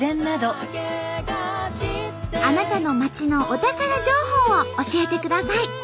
あなたの町のお宝情報を教えてください。